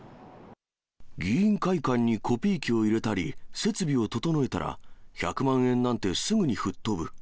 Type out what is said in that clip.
議員会館にコピー機を入れたり、設備を整えたら、１００万円なんて、すぐに吹っ飛ぶ。